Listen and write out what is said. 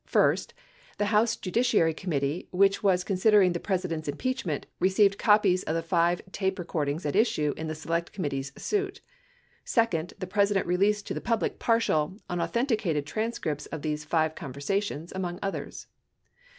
First, the House Judiciary Committee, which was con sidering the President's impeachment, received copies of the five tape recordings at issue in the Select Committee's suit. Second, the Presi dent released to the public partial, unauthenticated transcripts of these five conversations, among others.